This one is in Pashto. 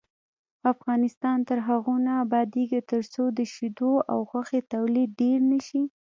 افغانستان تر هغو نه ابادیږي، ترڅو د شیدو او غوښې تولید ډیر نشي.